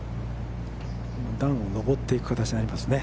段を上っていく形になりますね。